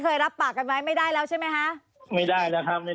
รับปากกันไว้ไม่ได้แล้วใช่ไหมคะไม่ได้แล้วครับไม่